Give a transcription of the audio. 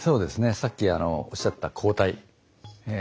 さっきおっしゃった抗体。